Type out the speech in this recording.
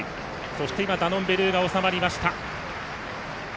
そして、ダノンベルーガ収まりました。